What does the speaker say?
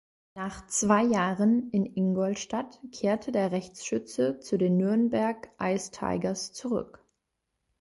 Nach zwei Jahren in Ingolstadt kehrte der Rechtsschütze zu den Nürnberg Ice Tigers zurück.